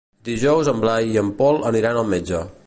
Dijous en Blai i en Pol aniran al metge.